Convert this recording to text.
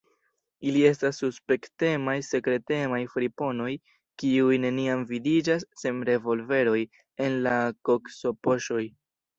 Ili estas suspektemaj, sekretemaj friponoj, kiuj neniam vidiĝas sen revolveroj en la koksopoŝoj.